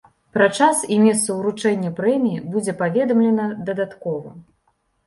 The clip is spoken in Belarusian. Пра час і месца ўручэння прэміі будзе паведамлена дадаткова.